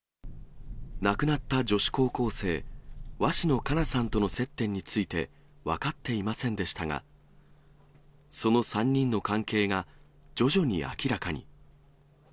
亡くなった女子高校生、鷲野花夏さんとの接点について分かっていませんでしたが、その３人の関係が徐々に明らかに。